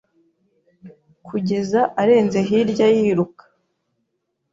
kugeza arenze hirya yiruka